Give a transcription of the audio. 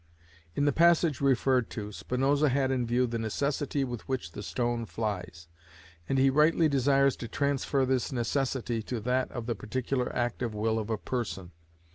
In the passage referred to, Spinoza had in view the necessity with which the stone flies, and he rightly desires to transfer this necessity to that of the particular act of will of a person.